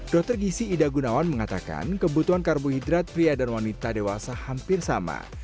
dokter gizi idagunawan mengatakan kebutuhan karbohidrat pria dan wanita dewasa hampir sama